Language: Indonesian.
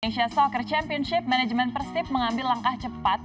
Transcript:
asia soccer championship manajemen persib mengambil langkah cepat